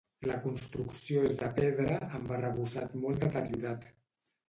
La construcció és de pedra, amb arrebossat molt deteriorat.